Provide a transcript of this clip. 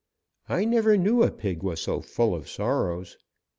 I never knew a pig was so full of sorrows.